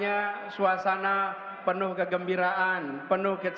yang dari palembang